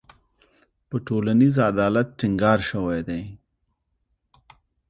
په ټولنیز عدالت ټینګار شوی دی.